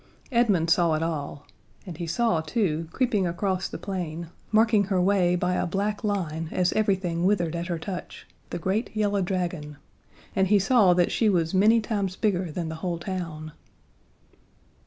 Edmund saw it all; and he saw, too, creeping across the plain, marking her way by a black line as everything withered at her touch, the great yellow dragon and he saw that she was many times bigger than the whole town.